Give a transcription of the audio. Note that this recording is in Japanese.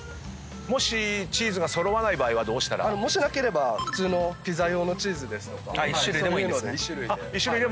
もしチーズが揃わない場合はどうしたら？もしなければ普通のピザ用のチーズですとかそういうので１種類で。